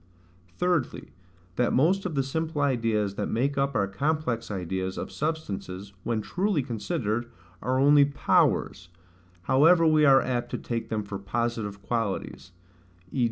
Thirdly, That most of the simple ideas that make up our complex ideas of substances, when truly considered, are only POWERS, however we are apt to take them for positive qualities; v.